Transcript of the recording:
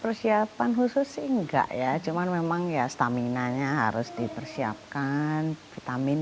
persiapan khusus sih enggak ya cuman memang ya stamina nya harus dipersiapkan vitamin